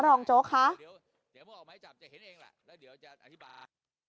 รองโจ๊กคะเดี๋ยวเมื่อออกไม้จับจะเห็นเองแหละแล้วเดี๋ยวจะอธิบาย